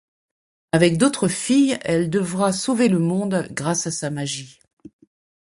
Avec d'autres filles, elle devra sauver le monde grâce à sa magie.